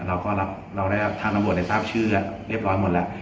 เราก็รับเราได้ทางน้ำบทได้ทราบชื่ออ่ะเรียบร้อยหมดแล้ว